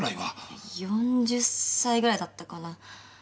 ４０歳ぐらいだったかな。